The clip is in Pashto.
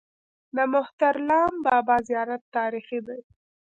د مهترلام بابا زیارت تاریخي دی